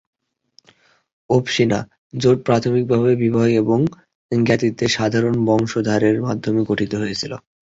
"ওবশিনা" জোট প্রাথমিকভাবে বিবাহ এবং জ্ঞাতিত্বের সাধারণ বংশধরের মাধ্যমে গঠিত হয়েছিল।